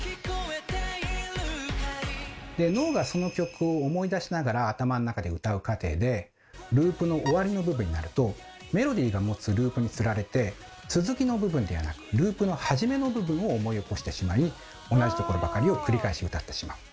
脳がその曲を思い出しながら頭の中で歌う過程でループの終わりの部分になるとメロディーが持つループにつられて続きの部分ではなくループのはじめの部分を思い起こしてしまい同じところばかりを繰り返し歌ってしまう。